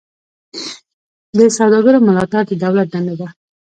د سوداګرو ملاتړ د دولت دنده ده